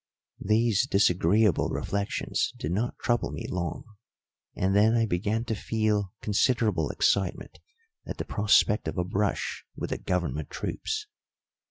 These disagreeable reflections did not trouble me long, and then I began to feel considerable excitement at the prospect of a brush with the government troops.